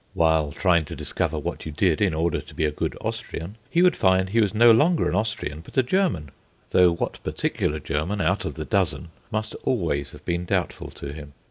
While trying to discover what you did in order to be a good Austrian, he would find he was no longer an Austrian, but a German, though what particular German out of the dozen must always have been doubtful to him.